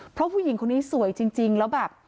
เพราะผู้หญิงคนนี้สวยจริงแล้วแบบ